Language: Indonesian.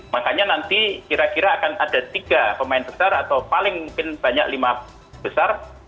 makanya nanti kira kira akan ada tiga pemain besar atau paling mungkin banyak lima besar